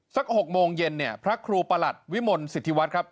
๖โมงเย็นเนี่ยพระครูประหลัดวิมลสิทธิวัฒน์ครับ